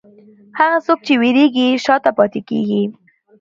هغه څوک چې وېرېږي، شا ته پاتې کېږي.